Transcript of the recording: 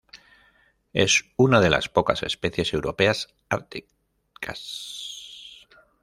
Es una de las pocas especies europeas árticas.